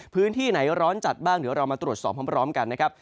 พื้นที่ไหนร้อนจัดบ้างเดี๋ยวเรามาตรวจสอบพร้อมกันนะครับ